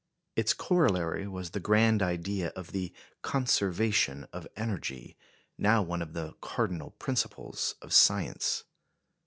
Its corollary was the grand idea of the "conservation of energy," now one of the cardinal principles of science.